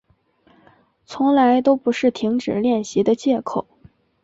从来都不是停止练习的借口